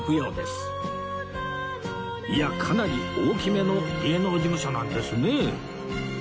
いやかなり大きめの芸能事務所なんですね